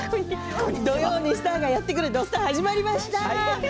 土曜にスターがやってくる「土スタ」始まりました。